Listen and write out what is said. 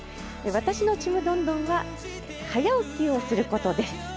私のちむどんどんは早起きをすることです。